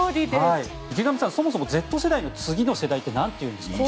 池上さん、そもそもＺ世代の次の世代って何ていうんですか？